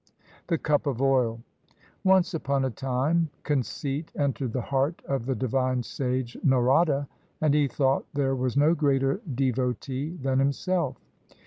THE CUP OF OIL Once upon a time conceit entered the heart of the divine sage Narada and he thought there was no greater devotee than himself.